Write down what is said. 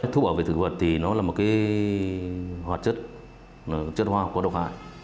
thuốc bảo vệ thực vật thì nó là một hoạt chất chất hoa có độc hại